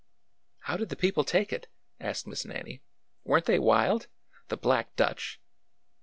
How did the people take it ?" asked Miss Nannie. ^'Weren't they wild? The black Dutch!"